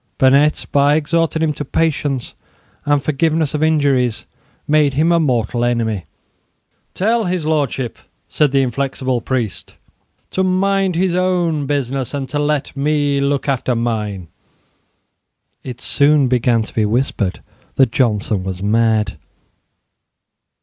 Burnet, by exhorting him to patience and forgiveness of injuries, made him a mortal enemy. "Tell His Lordship," said the inflexible priest, "to mind his own business, and to let me look after mine." It soon began to be whispered that Johnson was mad.